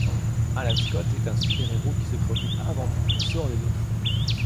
Alan Scott est un super-héros qui se préoccupe avant tout du sort des autres.